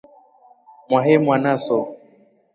Mwahe mwanaso.